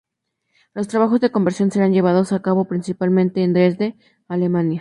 Los trabajos de conversión serán llevados a cabo principalmente en Dresde, Alemania.